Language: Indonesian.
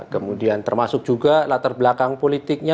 kemudian termasuk juga latar belakang politiknya